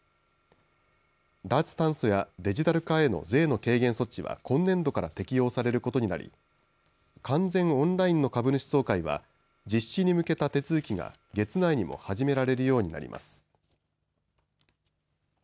脱炭素やデジタル化への税の軽減措置は今年度から適用されることになり完全オンラインの株主総会は実施に向けた手続きが月内にも始められるようになります。